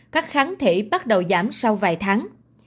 các kháng thể bắt đầu giảm sau vài tháng